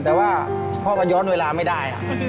แต่ว่าพ่อก็ย้อนเวลาไม่ได้